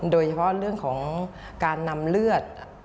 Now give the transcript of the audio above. โดยเฉพาะเรื่องของการนำเลือด